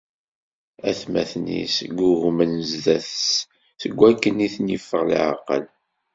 Atmaten-is ggugmen zdat-s, seg wakken i ten-iffeɣ leɛqel.